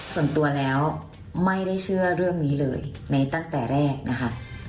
ส่วนตัวแล้วไม่ได้เชื่อเรื่องนี้เลยในตั้งแต่แรกนะคะ